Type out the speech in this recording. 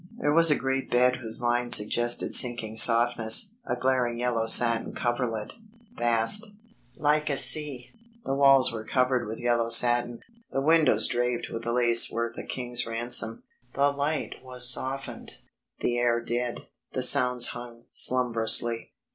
There was a great bed whose lines suggested sinking softness, a glaring yellow satin coverlet, vast, like a sea. The walls were covered with yellow satin, the windows draped with lace worth a king's ransom, the light was softened, the air dead, the sounds hung slumbrously.